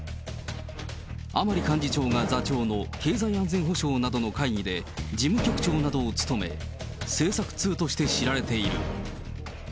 甘利幹事長が座長の経済安全保障などの会議で事務局長などを務め、政策通として知られている。